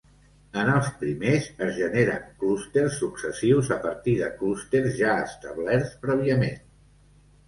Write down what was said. En els primers, es generen clústers successius a partir de clústers ja establerts prèviament.